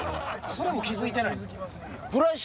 それも気付いてないんすか。